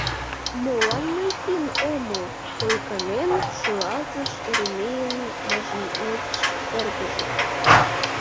— Молан мый финн омыл? — ойганен шӱлалтыш Еремейын межнеч эргыже.